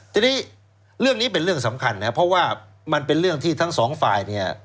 ทีนี้เรื่องนี้เป็นเรื่องสำคัญนะเพราะว่ามันเป็นเรื่องที่ทั้งสองฝ่ายเนี่ย